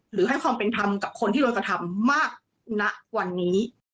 หรือให้ความเป็นธรรมกับคนที่โดนกระทำมากณวันนี้